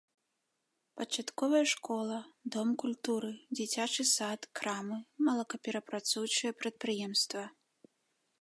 Пачатковая школа, дом культуры, дзіцячы сад, крамы, малакаперапрацоўчае прадпрыемства.